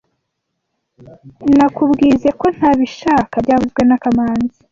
Nakubwizoe ko ntabishaka byavuzwe na kamanzi